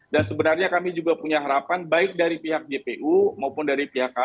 sebenarnya kami juga punya harapan baik dari pihak jpu maupun dari pihak kpk